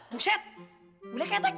buset boleh ketek